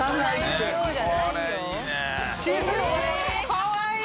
かわいい！